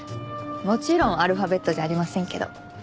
もちろんアルファベットじゃありませんけど。